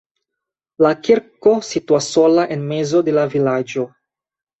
La kirko situas sola en mezo de la vilaĝo.